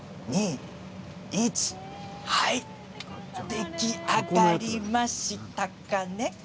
出来上がりました。